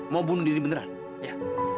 mau bunuh diri beneran ya